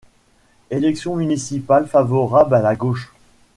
Élections municipales favorables à la gauche.